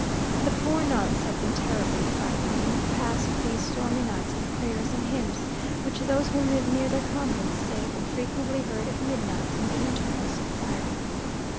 The poor nuns have been terribly frightened, and have passed these stormy nights in prayers and hymns, which those who live near their convents say were frequently heard at midnight, in the intervals of firing.